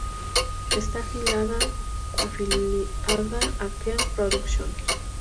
Está afiliada a Ken Production.